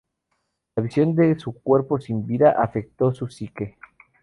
La visión de su cuerpo sin vida afectó su psique.